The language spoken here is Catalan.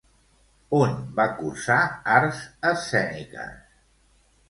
On va cursar arts escèniques?